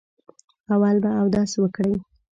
اول به اودس وکړئ.